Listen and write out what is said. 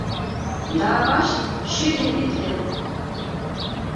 Да авашт — шӱдӧ витле!»